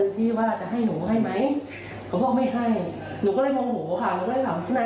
ที่คือเนี้ยค่ะมันเขาจิ้มแล้วหนูก็กัดพร่องกันตัวเขาจิ้มเรา